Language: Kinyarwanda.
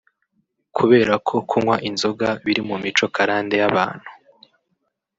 "Kubera ko kunywa inzoga biri mu mico karande y’abantu